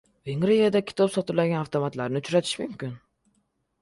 Vengriyada kitob sotiladigan avtomatlarni uchratish mumkin